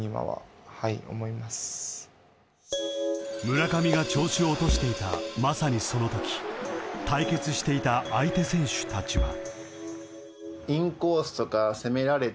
［村上が調子を落としていたまさにそのとき対決していた相手選手たちは］